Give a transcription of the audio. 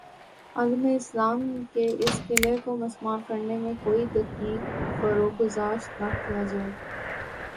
عالم اسلام کے اس قلعے کو مسمار کرنے میں کوئی دقیقہ فروگزاشت نہ کیا جائے